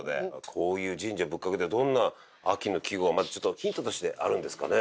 こういう神社仏閣ではどんな秋の季語がちょっとヒントとしてあるんですかね？